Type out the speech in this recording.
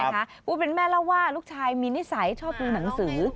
ผู้เป็นแม่เล่าว่าลูกชายมีนิสัยชอบดูหนังสือ